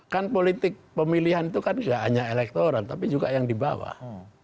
kan politik pemilihan itu kan tidak hanya elektoral tapi juga yang di bawah